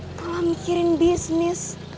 nggak mikirin bisnis